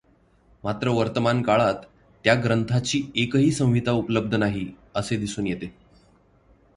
मात्र वर्तमानकाळात त्या ग्रंथाची एकही संहिता उपलब्ध नाही असे दिसून येते.